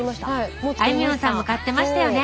あいみょんさんも買ってましたよね